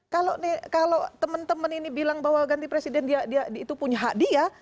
kalau teman teman ini bilang bahwa ganti presiden dia itu punya hak dia